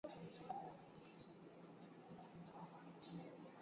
Mambo yangu aina yako achana nabyo